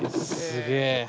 すげえ！